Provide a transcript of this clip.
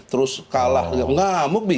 terus kalah ngamuk bisa